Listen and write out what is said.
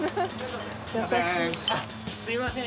すみません。